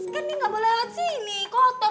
kan ini ga boleh lawan sini kotor